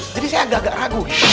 jadi saya agak agak ragu